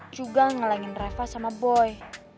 serat juga ngelenggin reva sama boy